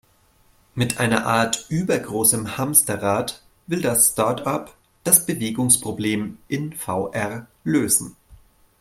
Mit einer Art übergroßem Hamsterrad, will das Startup das Bewegungsproblem in VR lösen.